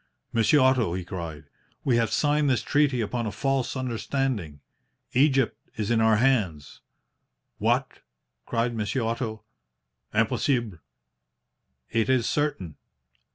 "'Monsieur Otto,' he cried, 'we have signed this treaty upon a false understanding. Egypt is in our hands.' "'What!' cried Monsieur Otto. 'Impossible!' "'It is certain.